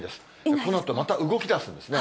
このあと、また動きだすんですね。